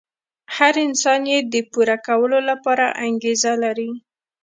هر انسان يې د پوره کولو لپاره انګېزه لري.